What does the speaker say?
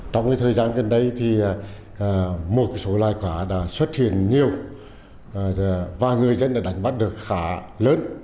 trong thời gian gần đây một số loài cá đã xuất hiện nhiều và ngư dân đã đánh bắt được khá lớn